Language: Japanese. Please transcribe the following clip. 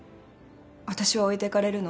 私は置いてかれるの？